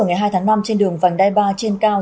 ngày hai tháng năm trên đường vành đai ba trên cao